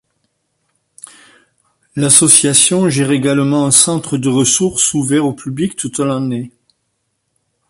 L'association gère également un centre de ressources ouvert au public toute l'année.